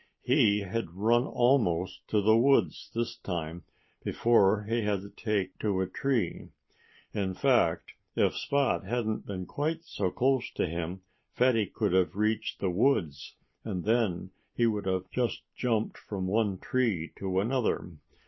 He had run almost to the woods this time, before he had to take to a tree. In fact, if Spot hadn't been quite so close to him Fatty could have reached the woods, and then he would have just jumped from one tree to another.